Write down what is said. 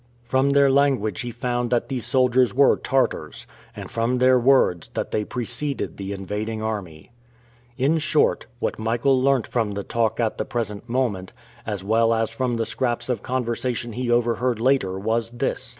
From their language he found that these soldiers were Tartars, and from their words, that they preceded the invading army. In short, what Michael learnt from the talk at the present moment, as well as from the scraps of conversation he overheard later, was this.